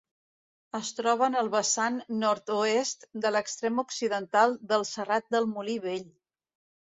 Es troba en el vessant nord-oest de l'extrem occidental del Serrat del Molí Vell.